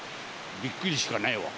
びっくりしかないわ。